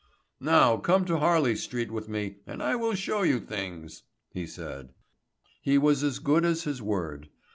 ] "Now come to Harley Street with me and I will show you things," he said. He was as good as his word.